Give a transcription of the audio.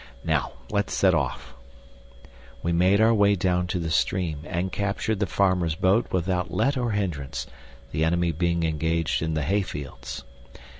Now let's set off." We made our way down to the stream, and captured the farmer's boat without let or hindrance, the enemy being engaged in the hayfields.